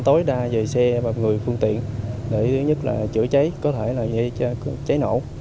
thứ nhất là chữa cháy có thể là cháy nổ